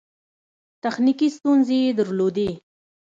تخنیکي ستونزې یې درلودې.